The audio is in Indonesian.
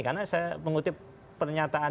karena saya mengutip pernyataan